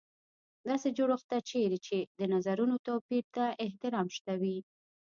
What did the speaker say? داسې جوړښت ته چېرې چې د نظرونو توپیر ته احترام شته وي.